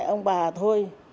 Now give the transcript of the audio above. ông bà thôi